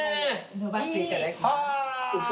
のばしていただきます。